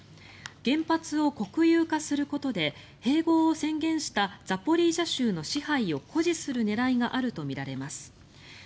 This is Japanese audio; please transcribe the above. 原発を国有化することで併合を宣言したザポリージャ州の支配を誇示する狙いがあるとみられます。